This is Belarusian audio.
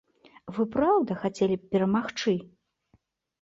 Вы, праўда, хацелі б перамагчы?